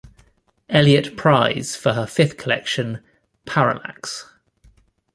Eliot Prize for her fifth collection "Parallax".